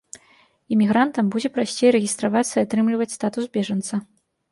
Імігрантам будзе прасцей рэгістравацца і атрымліваць статус бежанца.